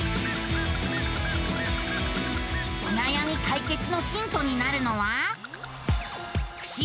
おなやみ解決のヒントになるのは。